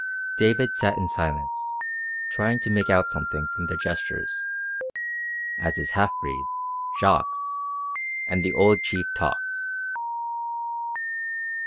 David sat in silence, trying to make out something from their gestures, as his half breed, Jacques, and the old chief talked.